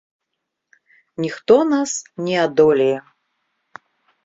Ніхто нас не адолее!